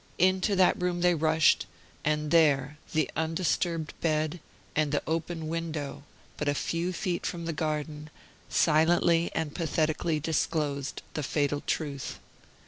Into that room they rushed, and there the undisturbed bed, and the open window, but a few feet from the garden, silently and pathetically disclosed the fatal truth.